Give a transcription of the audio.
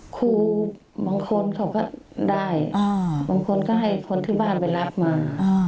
ครูบางคนเขาก็ได้บางคนก็ให้คนที่บ้านไปรับมา